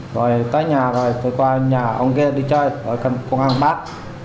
rồi tới nhà rồi tôi qua nhà ông kia đi chơi rồi cầm công an bắt